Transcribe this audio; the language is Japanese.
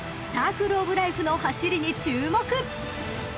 サークルオブライフの走りに注目！］